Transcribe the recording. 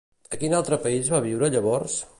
A quin altre país va viure llavors?